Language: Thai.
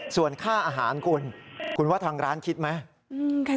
ส่วนค่าอาหารคุณคุณว่าทางร้านคิดไหม